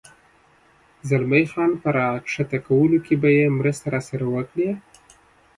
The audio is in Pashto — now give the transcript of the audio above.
زلمی خان په را کښته کولو کې به یې مرسته راسره وکړې؟